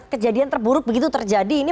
kejadian terburuk begitu terjadi ini